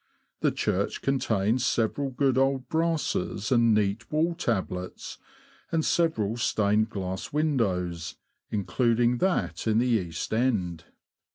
The church contains several good old brasses and neat wall tablets, and several stained glass windows, in cluding that at the east end.